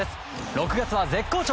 ６月は絶好調！